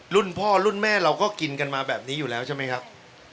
รุ่นพ่อรุ่นแม่เราก็กินกันมาแบบนี้อยู่แล้วใช่ไหมครับ